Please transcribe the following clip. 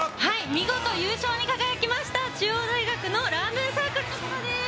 見事優勝に輝きました中央大学のラーメンサークルの方です。